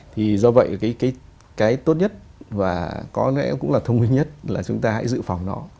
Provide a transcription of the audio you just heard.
thì do vậy cái tốt nhất và có lẽ cũng là thông minh nhất là chúng ta hãy dự phòng nó